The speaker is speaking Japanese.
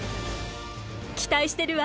期待してるわ。